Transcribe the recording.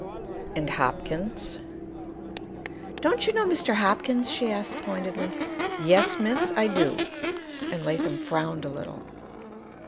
"And Hopkins?" "Don't you know Mr. Hopkins?" she asked, pointedly. "Yes, miss; I do." And Latham frowned a little.